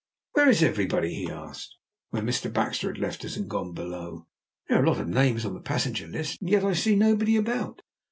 "Where is everybody?" he asked, when Mr. Baxter had left us and gone below. "There are a lot of names on the passenger list, and yet I see nobody about!"